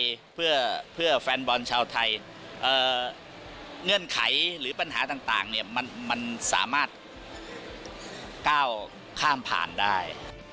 เงื่อนไขหรือปัญหาต่างเนี่ยมันมันสามารถก้าวข้ามผ่านได้